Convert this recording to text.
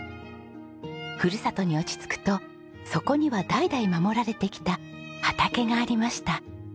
ふるさとに落ち着くとそこには代々守られてきた畑がありました。